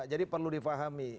jadi perlu difahami